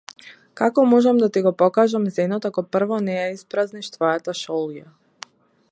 Како можам да ти го покажам зенот ако прво не ја испразниш твојата шолја?